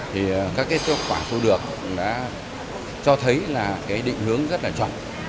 thì các cái kết quả thu được đã cho thấy là cái định hướng rất là chuẩn